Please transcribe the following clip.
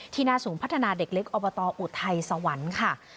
ที่นาสูงพัฒนาเด็กเล็กออุทัยสวรรค์ค่ะ